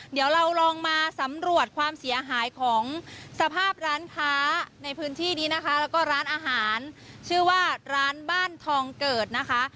เดี๋ยวเราลองมาสำรวจความเสียหายของสภาพร้านค้าในพื้นที่นี้นะคะแล้วก็ร้านอาหารชื่อว่าร้านบ้านทองเกิดนะคะ